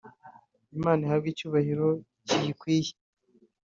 Imana ihabwe icyubahiro kiyikwiye